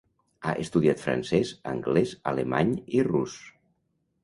Ha estudiat francès, anglès, alemany i rus.